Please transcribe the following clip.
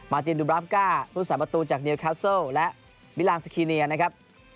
มาร์ตินดูบราฟก้าผู้สามารถประตูจากเนียลแคลซัลและวิลานสกิเนียร์นะครับ